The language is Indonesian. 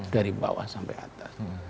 dari bawah sampai atas